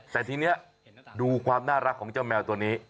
แต่ทีนี้ดูความน่ารักของเจ้าแมวตัวนี้